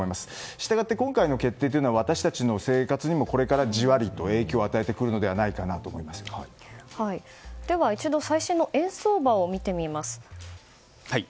したがって今回の決定は私たちの生活にもこれからジワリと影響を与えてくるのではでは一度、最新の円相場を見てみます。